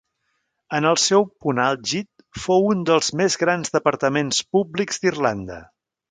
En el seu punt àlgid fou un dels més grans departaments públics d'Irlanda.